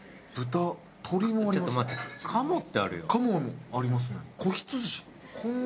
鴨もありますね。